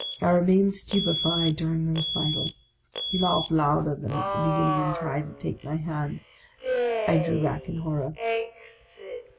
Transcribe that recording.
] remained stupefied during the recital. He laughed louder than at the beginning, and tried to take my hand. I drew back in horror.